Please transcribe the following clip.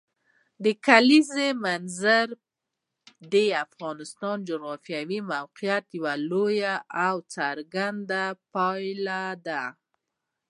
د کلیزو منظره د افغانستان د جغرافیایي موقیعت یوه لویه او څرګنده پایله ده.